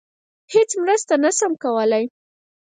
هیڅ مرسته نشم کولی.